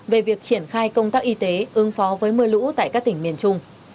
về việc triển khai công tác y tế ứng phó với mưa lũ tại các tỉnh miền trung